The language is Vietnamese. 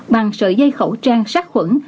bằng sợi dây khẩu trang sát khuẩn